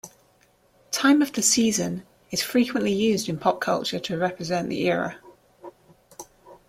"Time of the Season" is frequently used in pop culture to represent the era.